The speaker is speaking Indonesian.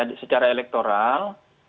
karena secara elektoral